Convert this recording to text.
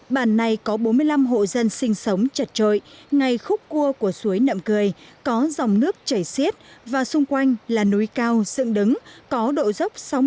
bản này có bốn mươi năm hộ dân sinh sống chật trội ngay khúc cua của suối nậm cười có dòng nước chảy xiết và xung quanh là núi cao sượng đứng có độ dốc sáu mươi bảy mươi